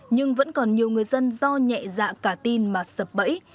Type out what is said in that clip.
nhưng vẫn còn nhiều người dân do nhẹ dạ cả tin mà sập bẫy